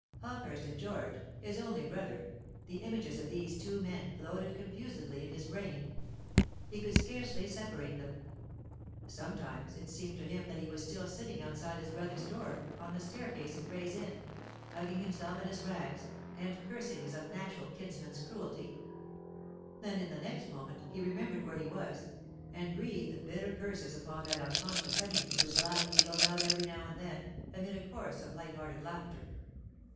Hawkehurst and George his only brother the images of these two men floated confusedly in his brain: he could scarcely separate them. Sometimes it seemed to him that he was still sitting outside his brother's door, on the staircase in Gray's Inn, hugging himself in his rags, and cursing his unnatural kinsman's cruelty; then in the next moment he remembered where he was, and breathed bitter curses upon that unconscious enemy whose laugh pealed out every now and then amid a chorus of light hearted laughter.